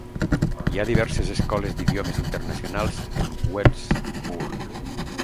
Hi ha diverses escoles d'idiomes internacionals en Westbourne.